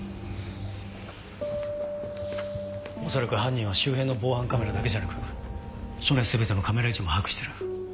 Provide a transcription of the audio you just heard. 恐らく犯人は周辺の防犯カメラだけじゃなく署内全てのカメラ位置も把握してる。